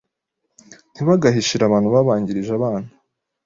ntibagahishire abantu babangirije abana,